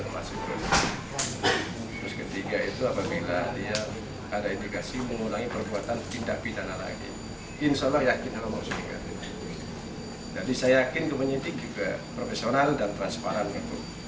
polda jawa timur telah menetapkan tri susanti sebagai tersangka dan dijerat pasal berita bohong atau hoaks ujaran kebencian serta provokasi